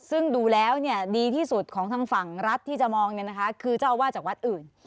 ซึ่งดูแล้วดีที่สุดของทางฝั่งรัฐที่จะมองคือเจ้าอาวาสจากวัดอื่น